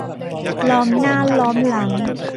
ล้อมหน้าล้อมหลัง